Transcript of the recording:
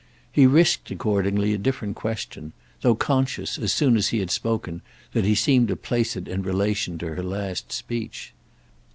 He risked accordingly a different question—though conscious, as soon as he had spoken, that he seemed to place it in relation to her last speech.